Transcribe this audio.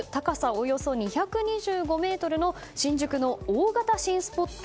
およそ２２５ｍの新宿の大型新スポット。